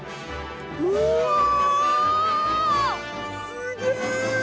すげえ！